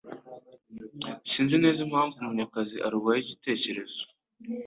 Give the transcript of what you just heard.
Sinzi neza impamvu Munyakazi arwanya igitekerezo